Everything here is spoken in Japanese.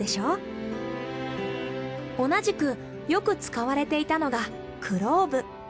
同じくよく使われていたのがクローブ。